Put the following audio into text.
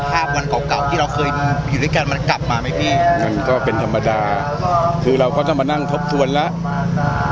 วันเก่าเก่าที่เราเคยอยู่ด้วยกันมันกลับมาไหมพี่มันก็เป็นธรรมดาคือเราก็ต้องมานั่งทบทวนแล้ว